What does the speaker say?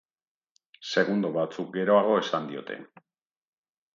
Segundo batzuk geroago esan diote.